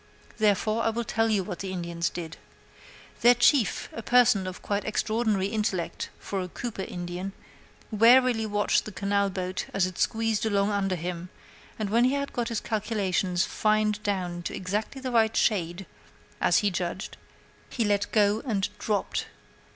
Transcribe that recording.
Therefore, I will tell you what the Indians did. Their chief, a person of quite extraordinary intellect for a Cooper Indian, warily watched the canal boat as it squeezed along under him, and when he had got his calculations fined down to exactly the right shade, as he judged, he let go and dropped.